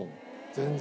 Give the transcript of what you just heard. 全然。